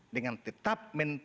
dengan tetap menteri